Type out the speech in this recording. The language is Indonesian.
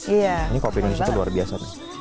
ini kopi indonesia itu luar biasa